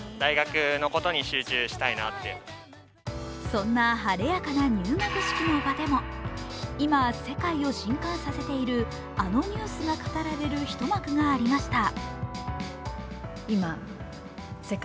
そんな晴れやかな入学式の場でも今、世界をしんかんさせているあのニュースが語られる一幕がありました。